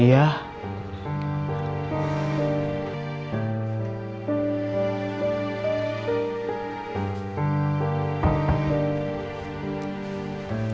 ibu udah pasrah